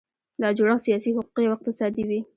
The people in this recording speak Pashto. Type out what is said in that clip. دا جوړښت سیاسي، حقوقي او اقتصادي وي.